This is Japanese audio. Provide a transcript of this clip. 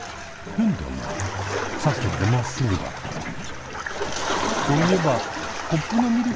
変だなさっきまでまっすぐだったのに。